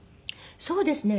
そうですね。